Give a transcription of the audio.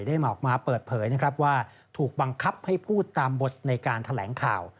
ได้มาออกมาเปิดเผยว่าถูกบังคับให้พูดตามบทในการแถลงข่าว